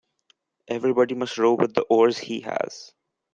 Everybody must row with the oars he has.